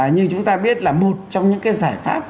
như chúng ta biết là một trong những cái giải pháp